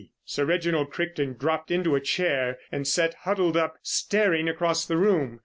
Sir Reginald Crichton dropped into a chair and sat huddled up, staring across the room.